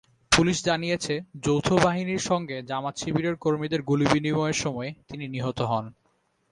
Police জানিয়েছে, যৌথ বাহিনীর সঙ্গে জামায়াত-শিবিরের কর্মীদের গুলিবিনিময়ের সময় তিনি নিহত হন।